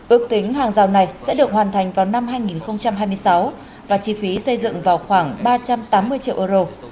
ước tính hàng rào này sẽ được hoàn thành vào năm hai nghìn hai mươi sáu và chi phí xây dựng vào khoảng ba trăm tám mươi triệu euro